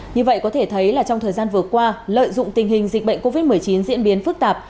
như vậy có thể thấy là trong thời gian vừa qua lợi dụng tình hình dịch bệnh covid một mươi chín diễn biến phức tạp